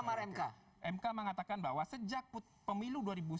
yang mengatakan bahwa sejak pemilu dua ribu sembilan dua ribu sebelas